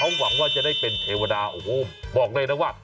หวังว่าจะได้เป็นเทวดาโอ้โหบอกเลยนะว่า